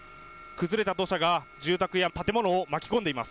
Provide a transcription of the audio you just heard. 崩れた土砂が住宅や建物を巻き込んでいます。